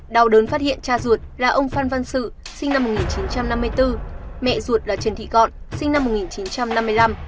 đào đớn phát hiện cha ruột là ông phan văn sự sinh năm một nghìn chín trăm năm mươi bốn mẹ ruột là trần thị gọn sinh năm một nghìn chín trăm năm mươi năm